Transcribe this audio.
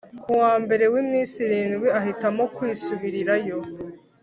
ku wa mbere w’iminsi irindwi ahitamo kwisubirirayo